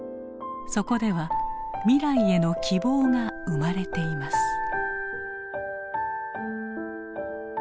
そこでは未来への希望が生まれています。